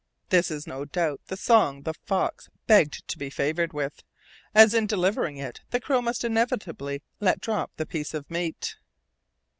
This is no doubt the song the fox begged to be favored with, as in delivering it the crow must inevitably let drop the piece of meat.